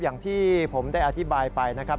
อย่างที่ผมได้อธิบายไปนะครับ